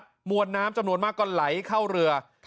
มวลน้ำจำนวนมากก็ไหลเข้าเรือ